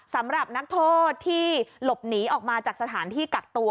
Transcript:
สำหรับนักโทษที่หลบหนีออกมาจากสถานที่กักตัว